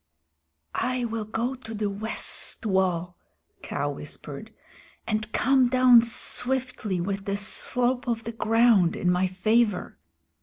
"I will go to the west wall," Kaa whispered, "and come down swiftly with the slope of the ground in my favor.